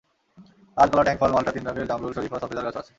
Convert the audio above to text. লাল কলা, ট্যাং ফল, মাল্টা, তিন রঙের জামরুল, শরিফা, সফেদার গাছও আছে।